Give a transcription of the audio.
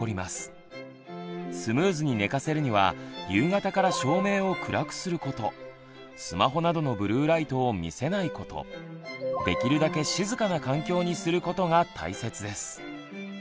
スムーズに寝かせるには夕方から照明を暗くすることスマホなどのブルーライトを見せないことできるだけ静かな環境にすることが大切です。